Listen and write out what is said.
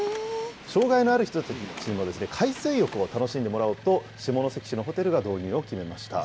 障害のある人たちにも海水浴を楽しんでもらおうと、下関市のホテルが導入を決めました。